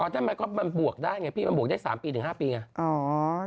อ๋อแต่มันก็มันบวกได้ไงพี่มันบวกได้สามปีถึงห้าปีไง